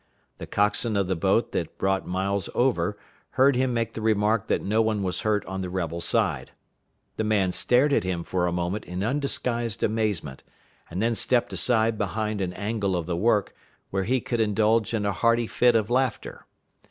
The coxswain of the boat that brought Miles over heard him make the remark that no one was hurt on the rebel side. The man stared at him for a moment in undisguised amazement, and then stepped aside behind an angle of the work, where he could indulge in a hearty fit of laughter.